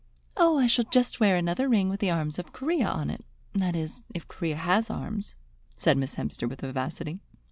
"Oh, I shall just wear another ring with the arms of Corea on it, that is, if Corea has arms," said Miss Hemster with vivacity.